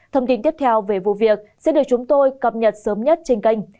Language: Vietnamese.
thông tin tiếp theo về vụ việc sẽ được chúng tôi cập nhật sớm nhất trên kênh